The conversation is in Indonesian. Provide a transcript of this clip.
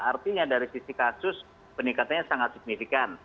artinya dari sisi kasus peningkatannya sangat signifikan